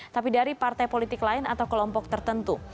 tapi dari partai politik lain atau kelompok tertentu